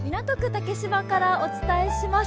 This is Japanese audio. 竹芝からお伝えします。